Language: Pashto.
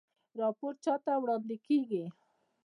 راپور چا ته وړاندې کیږي؟